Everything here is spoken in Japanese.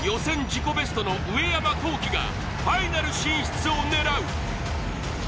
自己ベストの上山紘輝がファイナル進出を狙う。